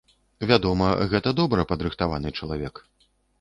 Вядома, гэта добра, падрыхтаваны чалавек.